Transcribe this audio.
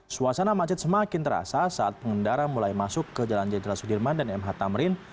suasana macet semakin terasa saat pengendara mulai masuk ke jalan jenderal sudirman dan mh tamrin